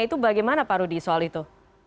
itu bagaimana pak rudy soal itu